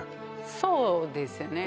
そうですよね